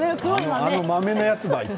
あの豆のやつばい。